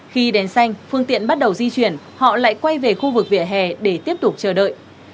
khi đèn xanh phương tiện bắt đầu di chuyển họ lại quay về khu vực vỉa hè để tiếp tục chờ đợi